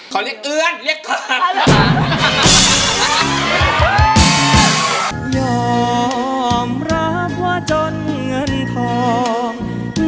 ขอเรียกเอื้อนเรียกคลาง